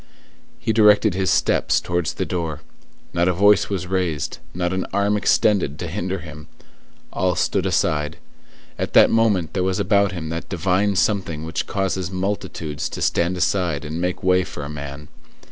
He directed his steps towards the door. Not a voice was raised, not an arm extended to hinder him. All stood aside. At that moment there was about him that divine something which causes multitudes to stand aside and make way for a man.